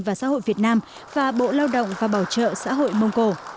và xã hội việt nam và bộ lao động và bảo trợ xã hội mông cổ